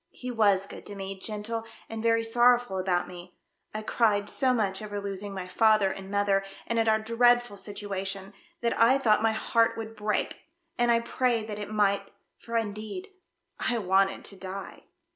He was good to me, gentle and very sorrowful about me. I cried so much over losing my father and mother, and at our dreadful situation, that I thought my heart would break, and I prayed that it might, for indeed I v/anted to die."